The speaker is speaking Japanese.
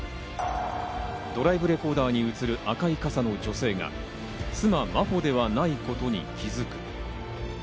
ドライブレコーダーに映る高い傘の女性が、妻・真帆ではないことに気づく。